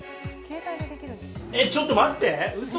えっ、ちょっと待って！